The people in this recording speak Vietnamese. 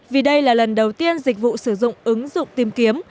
vì đây là lần đầu tiên dịch vụ sử dụng ứng dụng tìm kiếm